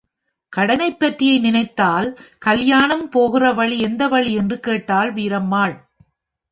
கடனைப் பற்றி நினைத்தால், கல்யாணம் போகிற வழி எந்த வழி? என்று கேட்டாள் வீரம்மாள்.